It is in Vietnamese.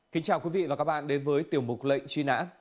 kính chào quý vị và các bạn đến với tiểu mục lệnh truy nã